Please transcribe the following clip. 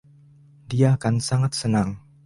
Dia akan sangat senang.